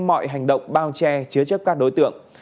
mọi hành động bao che chứa chấp các đối tượng